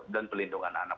dan pelindungan anak